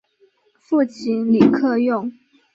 父亲李克用。